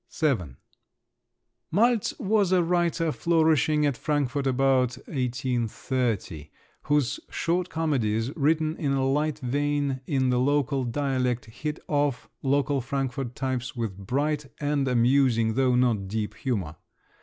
VII Malz was a writer flourishing at Frankfort about 1830, whose short comedies, written in a light vein in the local dialect, hit off local Frankfort types with bright and amusing, though not deep, humour.